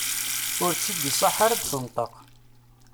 Ur tt-id-iṣaḥ ara ad d-tenṭeq.